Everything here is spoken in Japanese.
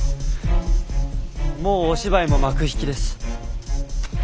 もうお芝居も幕引きです。